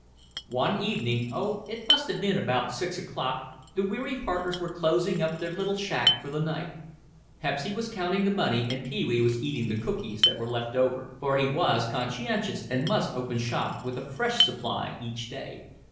One evening, oh, it must have been about six o'clock, the weary partners were closing up their little shack for the night. Pepsy was counting the money and Pee wee was eating the cookies that were left over. For he was conscientious and must open shop with a fresh supply each day.